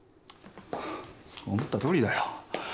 思ったとおりだよ。